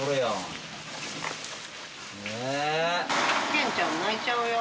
ケンちゃん泣いちゃうよ。